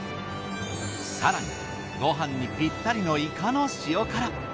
更にご飯にピッタリのいかの塩辛。